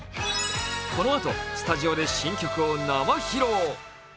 このあとスタジオで新曲を生披露。